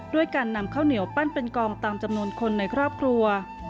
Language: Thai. ด้วยการนำข้าวเหนียวปั้นเป็นกองตามจำนวนคนในครอบครัว